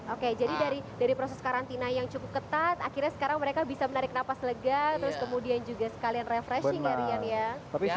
oke jadi dari proses karantina yang cukup ketat akhirnya sekarang mereka bisa menarik nafas lega terus kemudian juga sekalian refreshing ya rian ya